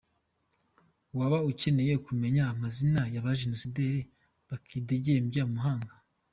Waba ukeneye kumenya amazina y’abajenosideri bakidegembya mu mahanga ?